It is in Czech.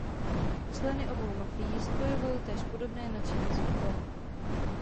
Členy obou mafií spojovalo též podobné nadšení z fotbalu.